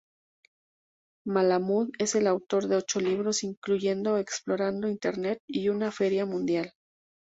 Malamud es el autor de ocho libros, incluyendo Explorando Internet y una feria mundial.